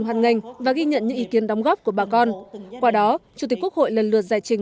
hoàn ngành và ghi nhận những ý kiến đóng góp của bà con qua đó chủ tịch quốc hội lần lượt giải trình